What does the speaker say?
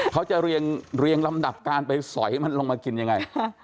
เขาจะเรียงลำดับการไปสอยมันลงมากินยังไง